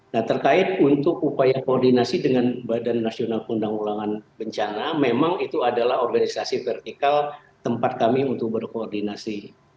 nah terkait untuk upaya koordinasi dengan bnkg memang itu adalah organisasi vertikal tempat kami untuk berkoordinasi